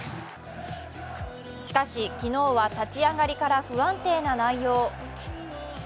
しかし、昨日は立ち上がりから不安定な内容。